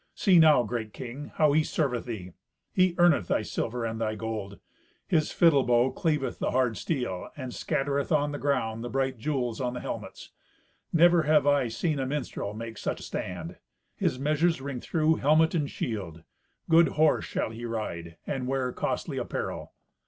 See now, great king, how he serveth thee. He earneth thy silver and thy gold. His fiddle bow cleaveth the hard steel, and scattereth on the ground the bright jewels on the helmets. Never have I seen a minstrel make such stand. His measures ring through helmet and shield. Good horse shall he ride, and wear costly apparel."